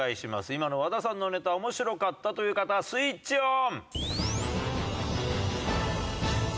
今の和田さんのネタ面白かったという方はスイッチオン！